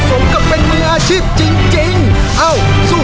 ครอบครัวของแม่ปุ้ยจังหวัดสะแก้วนะครับ